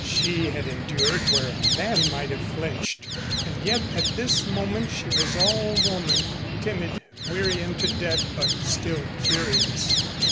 She had endured where a man might have flinched, and yet at this moment she was all woman timid, weary unto death, but still curious.